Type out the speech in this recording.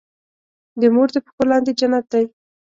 د مور د پښو لاندې جنت دی.